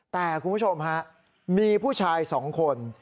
แต่คุณผู้ชมฮะมีผู้ชาย๒คน